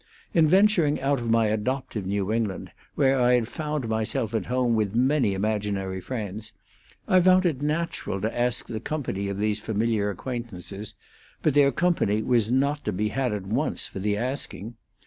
In venturing out of my adoptive New England, where I had found myself at home with many imaginary friends, I found it natural to ask the company of these familiar acquaintances, but their company was not to be had at once for the asking.